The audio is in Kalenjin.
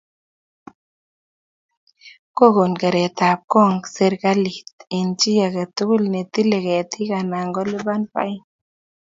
Kokon keretab gong serkalit eng chi age tugul ne tilei ketik anan kolipan fain